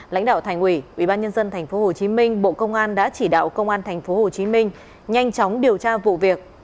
lãnh đạo thành ủy ubnd tp hcm bộ công an đã chỉ đạo công an tp hcm nhanh chóng điều tra vụ việc